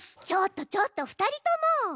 ちょっとちょっと２人とも！